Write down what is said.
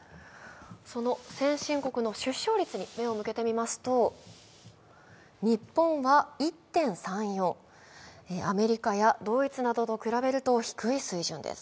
その先進国の出生率に目を向けてみますと日本は１．３４、アメリカやドイツなどと比べると低い水準です。